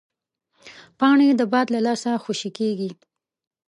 پاڼې د باد له لاسه خوشې کېږي